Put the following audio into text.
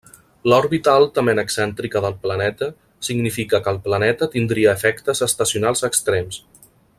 L'òrbita altament excèntrica del planeta significa que el planeta tindria efectes estacionals extrems.